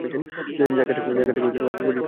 জায়গাটাকে পরিচিত মনে হচ্ছে।